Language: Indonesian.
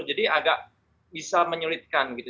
jadi agak bisa menyulitkan gitu